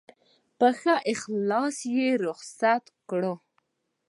په ښه اخلاص یې رخصت کړو.